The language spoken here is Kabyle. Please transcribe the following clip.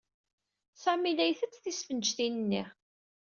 Sami la isett tisfenǧtin-nni.